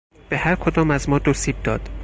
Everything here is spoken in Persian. به هر کدام از ما دو سیب داد.